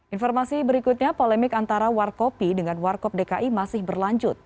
informasi berikutnya polemik antara warkopi dengan warkop dki masih berlanjut